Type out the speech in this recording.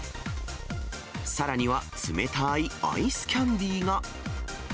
さらには冷たいアイスキャンデーが。